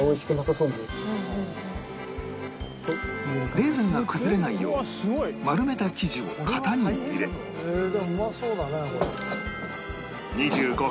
レーズンが崩れないよう丸めた生地を型に入れでもうまそうだねこれ。